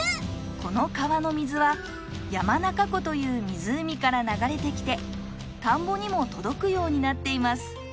この川の水は山中湖という湖から流れてきて田んぼにも届くようになっています。